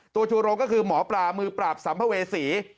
ชูโรงก็คือหมอปลามือปราบสัมภเวษี